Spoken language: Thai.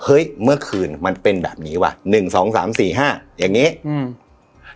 เฮ้ยเมื่อคืนมันเป็นแบบนี้ว่ะหนึ่งสองสามสี่ห้าอย่างงี้อืม